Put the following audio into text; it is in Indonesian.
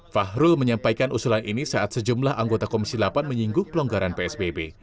fahrul menyampaikan usulan ini saat sejumlah anggota komisi delapan menyinggung pelonggaran psbb